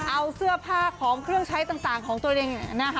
เอาเสื้อผ้าของเครื่องใช้ต่างของตัวเอง